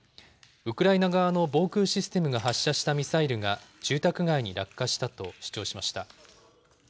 ウクライナ側の防空システムが発射したミサイルが住宅街に落下したと主張しました。